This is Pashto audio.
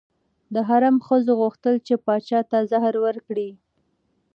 د حرم ښځو غوښتل چې پاچا ته زهر ورکړي.